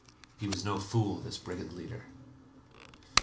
He was no fool, this brigand leader.